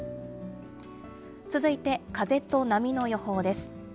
続いて風と波の予報です。